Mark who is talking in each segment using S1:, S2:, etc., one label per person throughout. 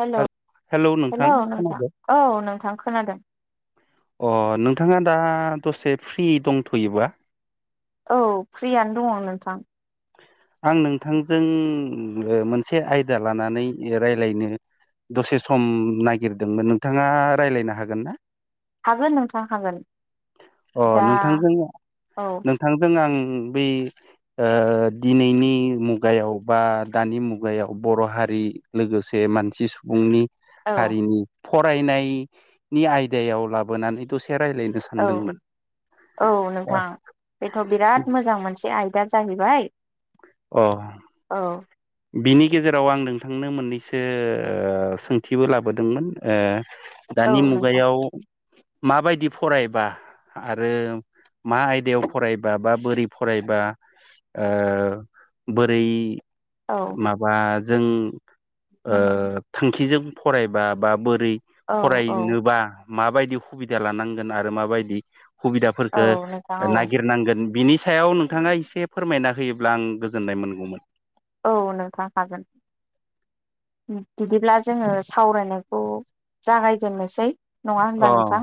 S1: हेल' हेल' नोंथां औ नोंथां खोनादों।
S2: अ नोंथाङा दा दसे फ्रि दंथ' योबा
S1: औ फ्रियानो दङ नोंथां।
S2: आं नोंथां जों मोनसे आयदा लानानै रायलायनो दसे सम नागिरदों मोन नोंथाङा रायलायनो हागोन ना?
S1: हागोन नोंथां हागोन
S2: अ
S1: दा
S2: नोंथांजों
S1: औ
S2: नोंथांजों आं बे ओ दिनैनि मुगायाव बा दानि मुगायाव बर' हारि लोगोसे मानसि सुबुंनि
S1: औ
S2: हारिनि फरायनाय नि आयदायाव लाबोनानै दसे रायलायनो
S1: औ
S2: सानदोंमोन
S1: औ नोंथां बेथ' बिराद मोजां मोनसे आइदा जाहैबाय
S2: अ
S1: औ
S2: बिनि गेजेराव आं नोंथांनो मोननैसो ओ सोंथिबो लाबो दोंमोन ओ
S1: औ
S2: दानि
S1: नोंथां
S2: मुगायाव माबायदि फरायबा आरो मा आयदा याव फरायबा बा बोरै फरायबा ओ बोरै
S1: औ
S2: माबा जों ओ थांखिजों फरायबा बा बो रै
S1: औ
S2: फराय
S1: औ
S2: नोबा माबायदि हुबिदा लानांगोन आरो माबायदि हुबिदा
S1: औ
S2: फोरखो
S1: नोंथां औ
S2: नागिर नांगोन बिनि सायाव नोंथाङा एसे फोरमायना होयोब्ला आं गोजोन नाय मोनगौ मोन।
S1: औ नोंथां हागोन। बिदिब्ला जोङो सावराय नायखौ जागाय जेननोसै। नङा होनबा
S2: अ
S1: नोंथां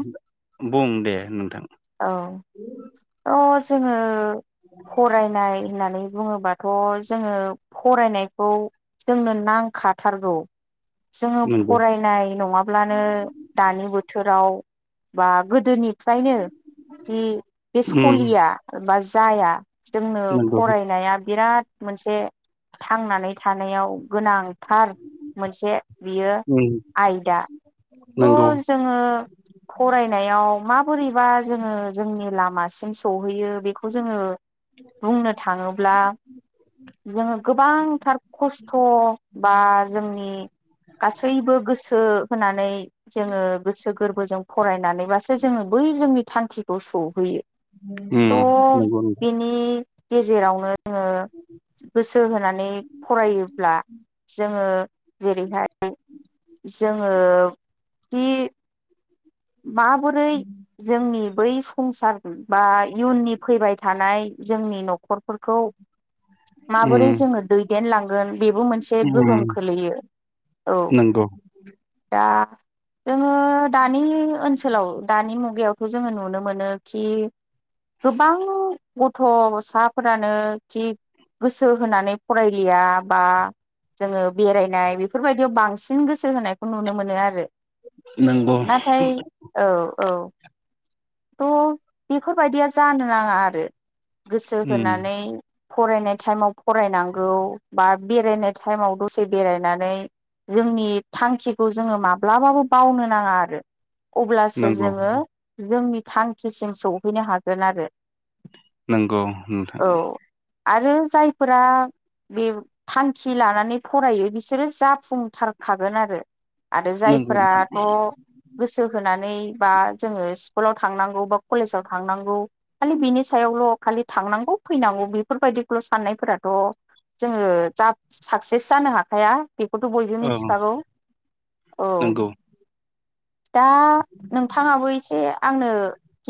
S2: बुं दे नोंथां
S1: औ थ' जोङो फरायनाय होननानै बुङोबाथ जोङो फरायनायखौ जोंनो नांखा थारगौ। जोङो
S2: नंगौ
S1: फरायनाय नङा ब्लानो दानि बोथोर राव बा गोदोनि फ्रायनो जि बे
S2: उम
S1: सलिया बा जाया जोंनो
S2: नंगौ
S1: फरायनाया बिराद मोनसे थांनानै थानायाव गोनां थार मोनसे बियो
S2: उम
S1: आयदा।
S2: नंगौ
S1: थ' जोङो फरायनायाव मा बोरैबा जोङो जोंनि लामा सिम सहैयो बेखौ जोङो बुंनो थाङोब्ला गोबां थार खस्थ बा जोंनि गासैबो गोसो होनानै जोङो गोसो गोरबो जों फरायनानै बासो जोङो बै जोंनि थांखिखौ सौहैयो।
S2: उम
S1: थ'
S2: नंगौ नोंथां।
S1: बिनि गेजेरावनो जोङो गोसो होनानै जेरै हाय जोङो खि माबोरै जोंनि बै संसार बा इयुननि फैबाय थानाय जोंनि नखर फोरखौ माबोरै
S2: उम
S1: जोङो दैदेन लांगोन बेबो मोनसे गोहोम
S2: उम
S1: खोलैयो। औ
S2: नंगौ।
S1: दा जोङो दानि ओनसोलाव दानि मुगायावथ' जोङो नुनो मोनो खि गोबां गथ' साफोरानो खि गोसो होनानै फरायलिया बा जोङो बेरायनाय बेफोर बायदियाव बांसिन गोसो होनायखौ नुनो मोनो आरो।
S2: नोंगौ।
S1: नाथाय औ औ थ' बेफोरबायदिया जानो नाङा आरो गोसो
S2: उम
S1: होनानै फरायनाय टाइमाव फरायनांगौ बा बेरायनाय टाइमाव दसे बेरायनानै जोंनि थांखिखौ जोङो माब्लाबाबो बावनो नाङा आरो। अब्लासो
S2: नंगौ
S1: जोङो जोंनि थांखिसिम सौहैनो हागोन आरो।
S2: नोंगौ नोंथां।
S1: औ आरो जायफोरा बे थांखि लानानै फरायो बिसोरो जाफुंथारखागोन आरो। आरो
S2: नंगौ नोंथां
S1: जायफोराथ' गोसो होनानै बा जोङो खांनांगौ बा कलेजाव थांनांगौ खालि बिनि सायावल' खालि थांनांगौ फैनांगौ बेफोरबायदि खौ ओस साननायफोराथ' जोङो जा साक्सेस जानो हाखाया बेखौथ' बयबो
S2: औ
S1: मिथिखागौ औ।
S2: नंगौ
S1: दा नोंथाङाबो एसे आंनो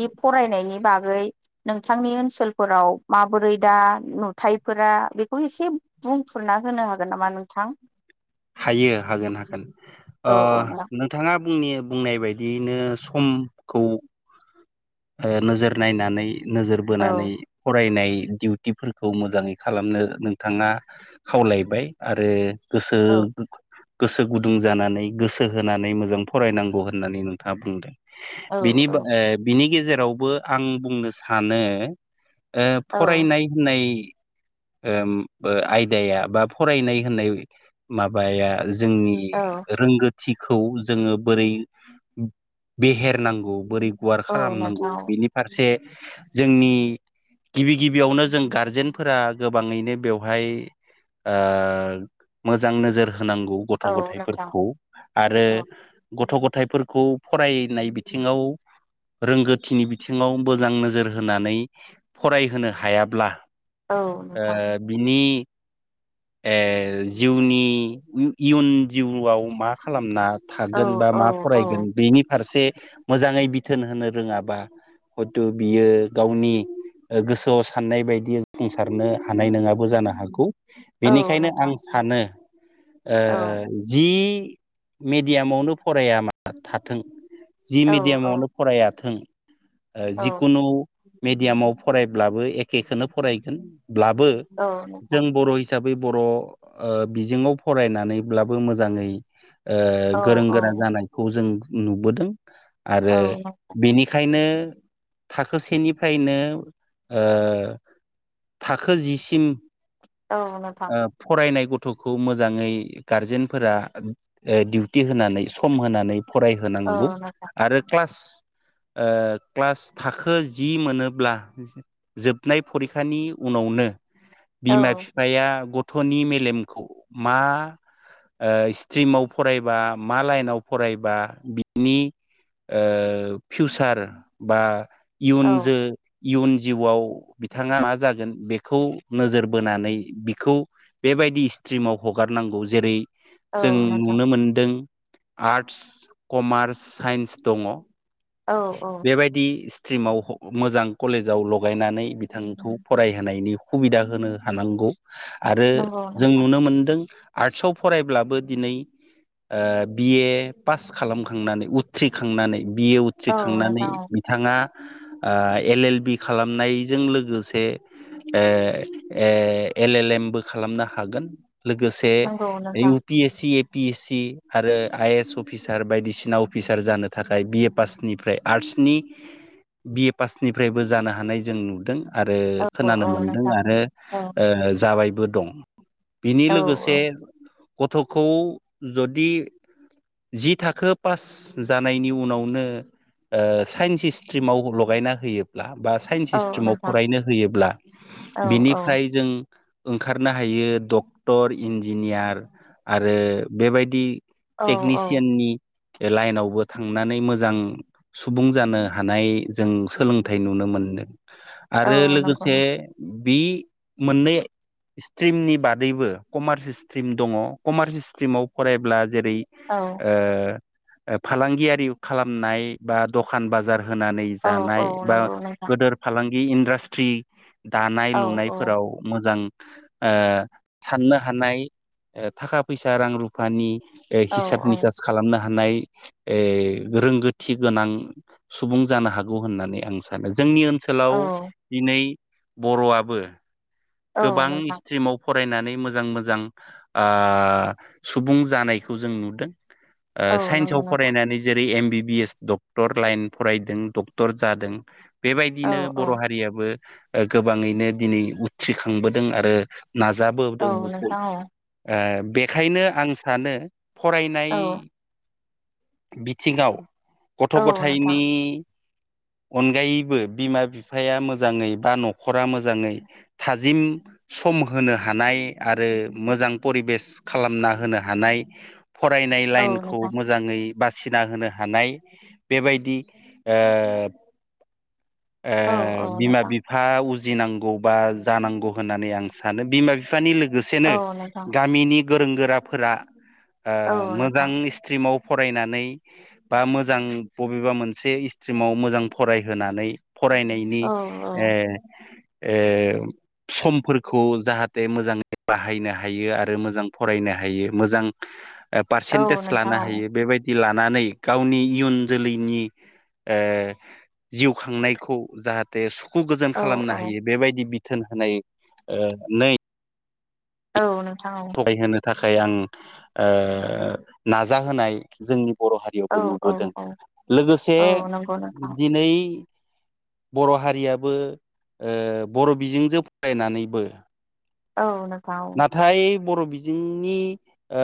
S1: हिफ फरायनायनि बागै नोंथांनि ओनसोलफोराव माबोरै दा नुथायफोरा बेखौ एसे बुंफुरना होनो हागोन नामा नोंथां?
S2: हायो हागोन हागोन
S1: औ
S2: ओ
S1: औ नोंथां
S2: नोंथाङा बुंनि बुंनाय बायदियैनो समखौ ओ नोजोर नायनानै नोजोर बोनानै फरायनाय ए दिडिउटिफोरखौ मोजाङै खालामनो नोंथाङा खावलायबाय आरो गोसो
S1: औ
S2: गोसो गुदुं जानानै गोसो होनानै मोजां फरायनांगौ होननानै नोंथाङा बुंदो।
S1: औ
S2: बिनि
S1: औ
S2: बो ए बिनि गेजेरावबो आं बुंनो सानो ओ
S1: औ
S2: फरायनाय होननाय ओम ओ आयदाया बा फरायनाय होननाय माबाया जोंनि
S1: औ
S2: रोंगोथ थिखौ जोङो बोरै बेहेरनांगौ बोरै गुवार
S1: औ
S2: खालामनांगौ
S1: नोंथां
S2: बेनि फारसे जोंनि गिबि गिबियावनो जों गारजेनफोरा गोबाङैनो बेवहाय ओ मोजां नोजोर होनांगौ गथ'
S1: औ नोंथां
S2: गथायफोरखौ आरो
S1: औ
S2: गथ' गथ थाइफोरखौ फरायनाय बिथिङाव रोंगोथिनि बिथिङाव मोजां नोजोर होनानै फरायहोनो हायाब्ला
S1: औ
S2: ओ
S1: नोंथां
S2: बिनि ए जिउनि इउ-इयुन जिउआव मा खालामना
S1: औ
S2: थागोन बा
S1: औ
S2: मा
S1: औ
S2: फरायगोन बेनि फारसे मोजाङै बिथोन होनो रोङाबा हयथु बियो गावनि गोसोआव साननाय बायदि जाफुंसारनो हानाय नोङाबो जानो हागौ
S1: औ
S2: बेनिखायनो
S1: नोंथां
S2: आं सानो ओ
S1: औ
S2: जि मिडियामावनो फराया मा थाथों जि
S1: औ औ
S2: मिडियामावनो फरायाथों ओ
S1: औ
S2: जिखुनु मेडियामाव फरायब्लाबो एखेखोनो फरायगोन ब्लाबो
S1: नोंथां
S2: जों बर' हिस हिसाबै बर' ओ बिजोङाव फरायनानैब्लाबो मोजाङै ओ
S1: औ
S2: गोरों
S1: औ
S2: गोरा जानायखौ जों नुबोदों आरो
S1: औ
S2: बेनिखायनो थाखोसेनिफ्रायनो ओ थाखो जिसिम
S1: औ नोंथां
S2: ओ फरायनाय गथ थ'खौ मोजाङै गारजेनफोरा ऐ डिउटि होनानै सम होनानै
S1: औ
S2: फरायहोनांगौ
S1: नोंथां
S2: आरो क्लास ओ क्लास थाखो जि मोनोब्ला जोबनाय फरिखानि उनावनो
S1: औ
S2: बिमा बिफाया गथ'नि मेलेमखौ मा ओ स्ट्रिमाव फरायबा मा लाइनाव फरायबा बिदनि ओ फिउसार बा इयुनजो इयुन जिउआव बिथाङा मा जागोन बेखौ नोजोर बोनानै बिखौ बेबायदि स्ट्रिमाव हगारनांगौ जेरै
S1: औ
S2: जों
S1: नोंथां
S2: नुनो मोनदों आर्ट्स कमार्स साइन्स दंङ'
S1: औ औ
S2: बेबायदि ट्रिमाव मोजां कलेजाव लगायनानै बिथांखौ फरायहोनायनि हुबिदा होनो हानांगौ। आरो
S1: नंगौ
S2: जों
S1: नोंथां
S2: नुनो मोनदों आर्ट्सआव फरायब्लाबो दिनै ओ बिए पास खालामखांनानै उथ्रिखांनानै बिए
S1: औ
S2: उथ्रिखांनानै
S1: नोंथां औ
S2: बिथाङा ओ एल एल बि खालामनायजों लोगोसे ओ ए एल एल एमबो खालामनो हागोन लोगोसे
S1: नंगौ नोंथां
S2: U P S C F P S C आरो आइ ए एस अफिसार बायदिसिना अफिसार जानो थाखाय बि ए पास निफ्राय आर्टस नि बि ए पासनिफ्रायबो जानो हानाय जों नुदों। आरो
S1: औ
S2: खोनानो
S1: औ
S2: मोनदों
S1: नोंथां
S2: आरो
S1: औ
S2: ओ जाबायबो दं बिनि
S1: औ
S2: लोगोसे गथ'खौ जदि जि थाखो पास जानायनि उनावनो ओ साइन्स इस्ट्रिमाव लगायना होयोब्ला बा साइन्स
S1: औ
S2: स्ट्रिमाव
S1: नोंथां
S2: फरायनो होयोब्ला
S1: औ औ
S2: बिनिफ्राय जों ओंखारनो हायो डक्टर इन्जिनियार आरो बेबायदि
S1: औ औ
S2: टेकनिसियाननि लाइनावबो थांनानै मोजां सुबुं जानो हानाय जों सोलोंथाइ नुनो मोनदों।
S1: औ
S2: आरो
S1: नंगौ
S2: लोगोसे बि मोननै स्ट्रिमनि बादैबो कमार्स स्ट्रिम दङ' कमार्स स्ट्रिमाव फरायब्ला जेरै
S1: औ
S2: ओ ओ फालांगियारि खालामनाय बा दखान बाजार होनानै
S1: औ औ
S2: जानाय बा
S1: नंगौ नोंथां
S2: गोदोर फालांगि इनदाष्ट्रि दानाय
S1: औ
S2: लुनाय खौ मोजां ओ साननो हानाय ओ थाखा फैसा रां रुफानि ओ
S1: औ
S2: हिसाब
S1: औ
S2: निकास खालामनो हा हानाय ओ रोंगोथि गोनां सुबुं जानो हागौ होननानै आं सानो जोंनि ओन सोलाव
S1: औ
S2: दिनै बर'आबो
S1: औ
S2: गोबां
S1: नोंथां
S2: स्ट्रिमाव फर फरायनानै मोजां मोजां ओ सुबुं जानायखौ जों नुदों। आ
S1: औ नंगौ
S2: साइन्सआव
S1: नोंथां
S2: फरायनानै जेरै M B BS doctor line फरायदों डक्टर जादों।
S1: औ
S2: बेबायदिनो
S1: औ
S2: बर' हारियाबो ओ गोबाङैनो दिनै उथ्रिखांबोदों आरो
S1: औ
S2: नाजाबोदो बबोदों
S1: नोंथां
S2: ओ बेखायनो आं सानो
S1: औ
S2: फरायनाय बिथिङाव गथ'
S1: औ
S2: गथायाइनि अनगायैबो बिमा बिफाया मोजाङै बा न'खरा मोजाङै थाजिम सम होनो हानाय आरो मोजां परिबेस खालामना होनो हानाय नाय फरायनाय
S1: औ
S2: लाइनखौ
S1: नोंथां
S2: मोजाङै बासिना होनो हानाय बेबायदि ओ ओ बिमा बिफा उज जिनांगौ बा जानांगौ होननानै आं सानो बिमा बिफानि लोगोसेनो
S1: औ नोंथां
S2: गामिनि गोरों गोराफोरा ओ
S1: औ नोंथां औ नोंथां औ नोंथां
S2: मोजां स्ट्रिमाव फरायनानै बा मोजां बबेबा मोनसे इस्ट्रिमाव मोजां फरायहोनानै फरायनायनि
S1: औ औ
S2: ए ओ समफोरखौ जाहाथे मोजाङै बाहायनो हायो आरो मोजां फरायनो हायो मोजां आ
S1: औ
S2: पारसेन्टेज
S1: नोंथां
S2: लानो हायो बेबायदि लानानै गावनि इयुन जोलैनि ओ जिउ खांनायखौ जाहाथे सुख खु गोजोन
S1: औ औ औ
S2: खालामनो हायो बेबायदि बिथोन होनाय ओ नै
S1: औ नों
S2: फराय होनो थाखाय आं ओ नाजाहोनाय जोंनि बर'
S1: औ
S2: हारियावबो
S1: औ
S2: नुबोदों
S1: औ
S2: लोगोसे
S1: औ नंगौ नोंथां
S2: दिनै बर' हारियाबो ओ बर' बिजोंजों फरायनानैबो
S1: औ नों
S2: नाथाय बर' बिजोंनि ओ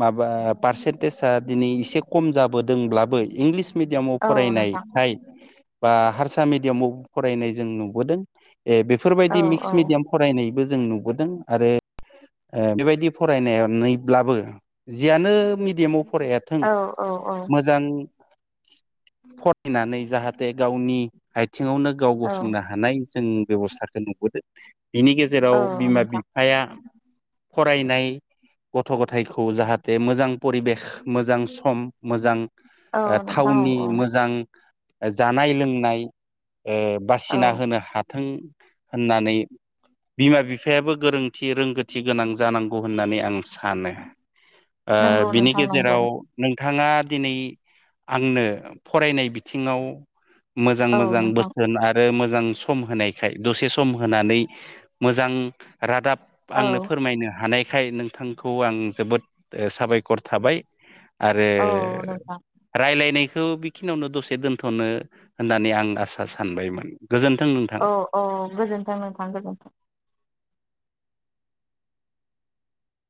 S2: माबा पारसेन्टेजआ दिनै एसे खम जाबोदोंब्लाबो इंलिस मिडियामाव
S1: औ नोंथां
S2: फरायनायथाय बा हारसा मिडियामाव फरायनाय जों नुबोदों दे
S1: औ
S2: बेफोरबायदि
S1: औ
S2: मिक्स मिडियाम फरायनायबो जों नुबोदों आरो ओ बेबायदि फरायनायाव नैब्लाबो जियानो मिडियामाव फरायाथों
S1: औ औ
S2: मोजां फथिनानै जाहाथे गावनि आथिङावनो गाव
S1: औ
S2: गसंनो हानाय जों बेब'स्थाखौ नुबोदों बिनि गेजेराव
S1: औ
S2: बिमा
S1: नोंथां
S2: बिफाया फरायनाय गथ' गथायखौ जाहाथे मोजां परिबेक मोजां सम मोजां
S1: औ
S2: ओ
S1: नोंथां
S2: थावनि
S1: औ
S2: मोजां जानाय लोंनाय ओ बासिना
S1: औ
S2: होनो हाथ थों होननानै बिमा बिफायाबो गोरोंथि रोंगौ थि गोनां जानांगौ होननानै आं सानो ओ
S1: नंगौ
S2: बिनि
S1: नोंथां नंगौ
S2: गेजेराव बिथाङा दिनै आंनो फरायनाय बिथिङाव मोजां
S1: औ
S2: मोजां
S1: नोंथां
S2: बोसोन आरो मोजां मोजां सम होनायखाय दसे सम होनानै मोजां रादाब
S1: औ
S2: आंनो फोरमायनो हानायखाय नोंथांखौ आं जोबोद साबायखर थाबाय आरो
S1: औ नोंथां
S2: रायलायनाय खौ बिखिनियावनो दसे दोनथ'नो होननानै आं आसा सानबायमोन गोजोन्थों नोंथां।
S1: औ औ गोजोन्थों नोंथां गोजोन्थों